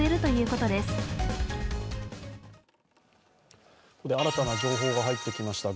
ここで新たな情報が入ってきました。